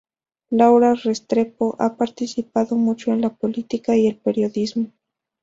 Laura Restrepo ha participado mucho en la política y el periodismo.